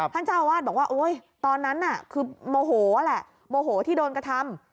ท่านเจ้าอาวาสบอกว่าโอ๊ยตอนนั้นน่ะคือโมโหแหละโมโหที่โดนกระทำ